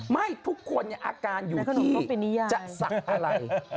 ไม่ทุกคนอาการอยู่ที่จะศักดิ์อะไร